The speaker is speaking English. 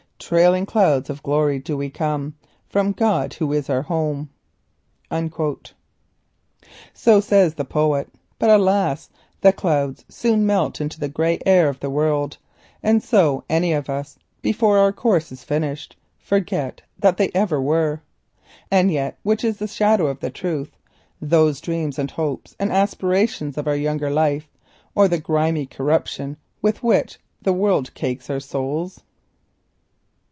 "Trailing clouds of glory do we come From God, who is our home." So says the poet, but alas! the clouds soon melt into the grey air of the world, and some of us, before our course is finished, forget that they ever were. And yet which is the shadow of the truth—those dreams, and hopes, and aspirations of our younger life, or the corruption with which the world cakes our souls?